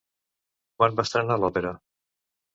Quan va estrenar l'òpera?